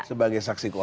sebagai saksi korban